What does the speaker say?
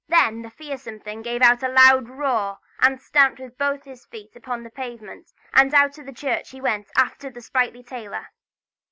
Then the fearsome thing gave a loud roar, and stamped with both his feet upon the pavement, and out of the church he went after the sprightly tailor.